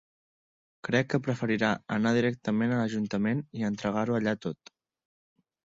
Crec que preferirà anar directament a l'ajuntament i entregar-ho allà tot.